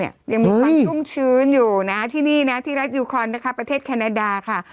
ยังมีความชุ่มชื้นอยู่นะที่นี่นะที่รัฐยูคอนนะคะประเทศแคนาดาค่ะ